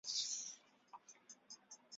黄兆晋人。